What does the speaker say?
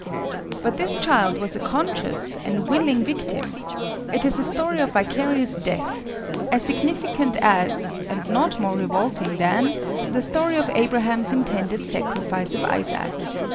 But this child was a conscious and willing victim: it is a story of vicarious death—as significant as, and not more revolting than, the story of Abraham's intended sacrifice of Isaac.